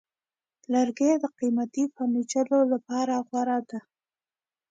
لرګی د قیمتي فرنیچر لپاره غوره دی.